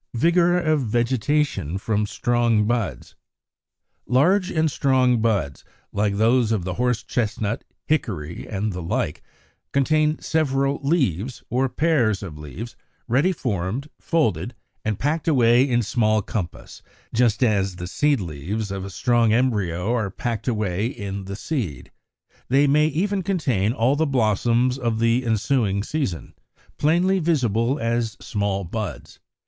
53. =Vigor of Vegetation from strong buds.= Large and strong buds, like those of the Horse chestnut, Hickory, and the like, contain several leaves, or pairs of leaves, ready formed, folded and packed away in small compass, just as the seed leaves of a strong embryo are packed away in the seed: they may even contain all the blossoms of the ensuing season, plainly visible as small buds.